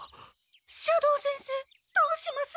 斜堂先生どうします？